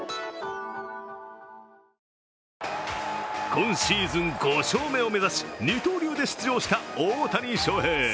今シーズン５勝目を目指し二刀流で出場した大谷翔平